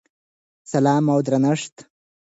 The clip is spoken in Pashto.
سلام او درنښت!!!